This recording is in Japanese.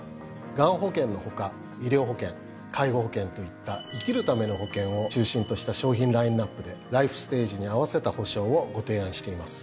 がん保険の他医療保険介護保険といった生きるための保険を中心とした商品ラインアップでライフステージに合わせた保障をご提案しています。